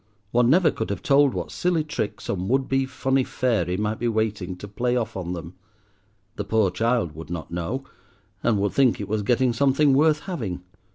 One never could have told what silly trick some would be funny fairy might be waiting to play off on them. The poor child would not know, and would think it was getting something worth having.